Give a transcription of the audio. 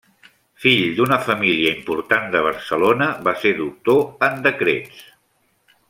Fill d'una família important de Barcelona, va ser doctor en decrets.